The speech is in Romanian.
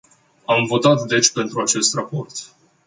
Am votat deci pentru acest raport.